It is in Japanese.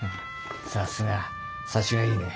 さすが察しがいいね。